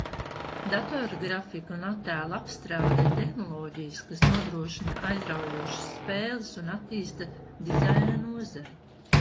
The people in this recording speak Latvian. Datorgrafika un attēlu apstrāde ir tehnoloģijas, kas nodrošina aizraujošas spēles un attīsta dizaina nozari.